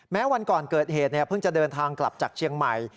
แม้วันก่อนเกิดเหตุเพิ่งจะเดินทางกลับจากเชียงใหม่